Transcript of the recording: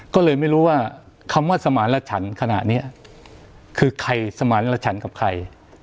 ก็เลยไม่รู้ว่าคำว่าสมารฉันขณะนี้คือใครสมานละฉันกับใคร